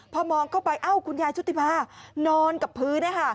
พอมองเข้าไปเอ้าคุณยายชุติภานอนกับพื้น